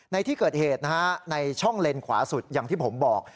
ในที่เกิดเหตุนะฮะในช่องเลนขวาสุดอย่างที่ผมบอก